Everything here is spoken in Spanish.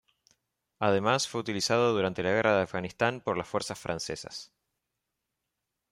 Además fue utilizado durante la guerra de Afganistán por las fuerzas francesas.